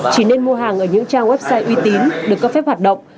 chỉ nên mua hàng ở những trang website uy tín được cấp phép hoạt động